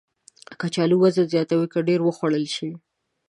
کچالو وزن زیاتوي که ډېر وخوړل شي